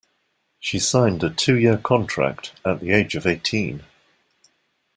She signed a two-year contract at the age of eighteen.